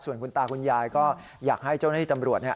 ส่วนคุณตาคุณยายก็อยากให้เจ้าหน้าที่ตำรวจเนี่ย